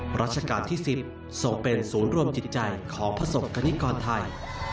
พระราชกาลที่๑๐ส่งเป็นศูนย์ร่วมจิตใจของพระศพกณิกรไทย